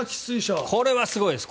これはすごいです。